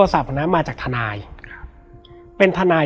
แล้วสักครั้งหนึ่งเขารู้สึกอึดอัดที่หน้าอก